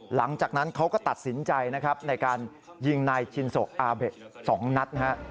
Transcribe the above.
หลังจากนั้นเขาก็ตัดสินใจในการยิงนายจินโสะอาเบะสองนัด